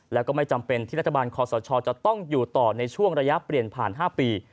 แล้วก็ไม่จำเป็นที่รัฐบาลคอสชจะต้องอยู่ต่อในช่วงระยะเปลี่ยนผ่าน๕ปี